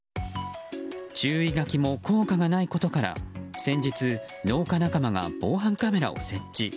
注意書きも効果がないことから先日、農家仲間が防犯カメラを設置。